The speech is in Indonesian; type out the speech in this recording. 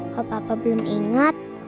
kok papa belum ingat